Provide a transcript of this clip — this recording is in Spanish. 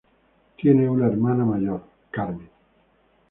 Tenía una hermana mayor, Carmen.